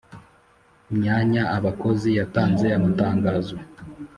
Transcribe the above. myanya abakozi yatanze amatangazo